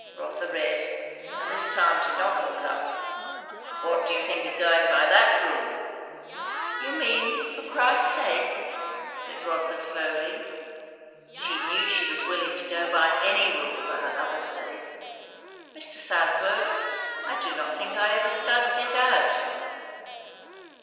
'" Rotha read, and this time did not look up. "What do you think of going by that rule?" "You mean, for Christ's sake," said Rotha slowly. She knew she was willing to go by any rule for her lover's sake. "Mr. Southwode, I do not think I ever studied it out."